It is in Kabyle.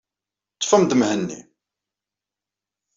Ḍḍfem-d Mhenni.